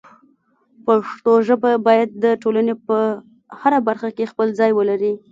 پښتو ژبه باید د ټولنې په هره برخه کې خپل ځای ولري.